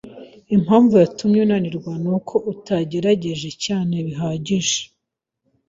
Impamvu yatumye unanirwa nuko utagerageje cyane bihagije.